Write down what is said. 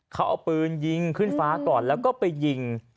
เขาเอาปืนยิงขึ้นฟ้าก่อนแล้วก็ไปยิง